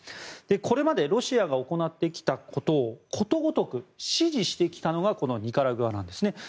これまで、ロシアが行ってきたことをことごとく支持してきたのがこのニカラグアなんです。